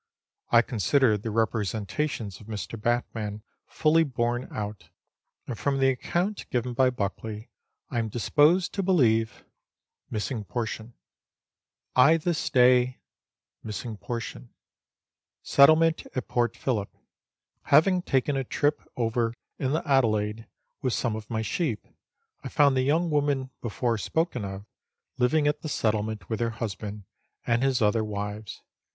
I consider the representations of Mr. Batman fully borne out, and from the account given by Buckley, I am dis posed to believe ..... I this day settlement at Port Phillip, having taken a trip over in the Adelaide with some of my sheep; I found the young woman before spoken of living at the settlement with her husband and his other wives.